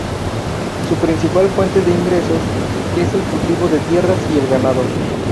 Su principal fuente de ingresos es el cultivo de tierras y el ganado.